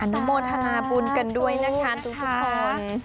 นุโมทนาบุญกันด้วยนะคะทุกคน